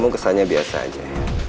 rasanya biasa aja